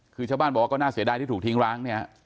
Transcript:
คือชาวบ้านว่าก็น่าเสียใจที่ถูกทิ้งร้างนี่ครับ